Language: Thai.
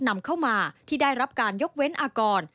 นำเข้ามาที่ได้รับการยกเว้นอากร